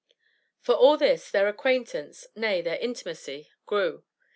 For all this, their acquaintance, nay their intimacy, grew.